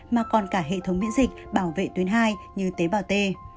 mà còn cả hệ thống miễn dịch bảo vệ tuyến hai như tế bào t